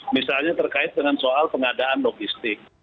misalnya terkait dengan soal pengadaan logistik